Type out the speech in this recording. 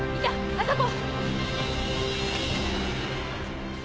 あそこ！